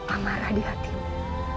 amarah di hatimu